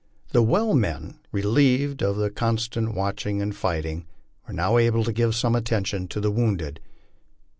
The well men, relieved of the constant watching and fighting, were now able to give some attention to the wounded.